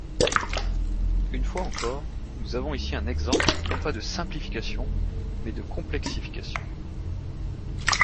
Une fois encore, nous avons ici un exemple non pas de simplification mais de complexification.